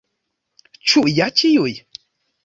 Ĉu ja ĉiuj?